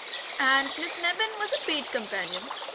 And Miss Mebbin was a paid companion.